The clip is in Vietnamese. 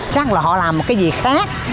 chắc là họ làm cái gì khác